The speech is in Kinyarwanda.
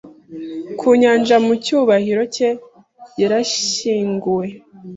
ku nyanja mu cyubahiro cye yarashyinguwe